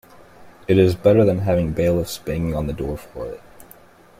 It is better than having bailiffs banging on the door for it.